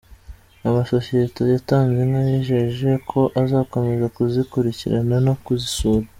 Amasosiyeti yatanze inka yijeje ko azakomeza kuzikurikirana no kuzisura.